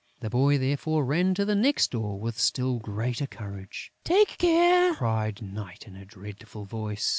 The boy, therefore, ran to the next door with still greater courage. "Take care!" cried Night, in a dreadful voice.